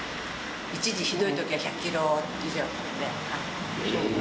一時ひどいときは１００キロ以上あったからね。